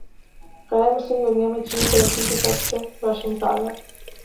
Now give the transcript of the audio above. غیر مسلم دنیا میں چین ترقی کی سب سے روشن مثال ہے۔